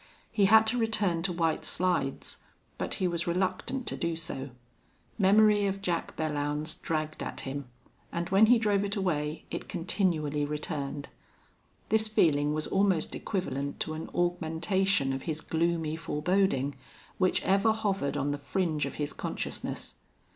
He had to return to White Slides, but he was reluctant to do so. Memory of Jack Belllounds dragged at him, and when he drove it away it continually returned. This feeling was almost equivalent to an augmentation of his gloomy foreboding, which ever hovered on the fringe of his consciousness.